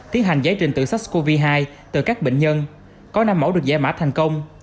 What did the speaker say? tiến hành giải trình tự sars cov hai từ các bệnh nhân có năm mẫu được giải mã thành công